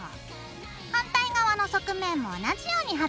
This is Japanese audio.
反対側の側面も同じように貼ってね。